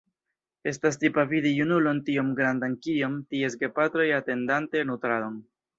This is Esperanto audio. Estas tipa vidi junulon tiom grandan kiom ties gepatroj atendante nutradon.